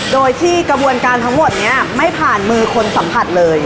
โดยที่กระบวนการทั้งหมดนี้ไม่ผ่านมือคนสัมผัสเลย